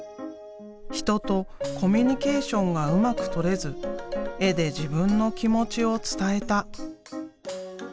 人とコミュニケーションがうまくとれず絵で自分の気持ちを伝えた。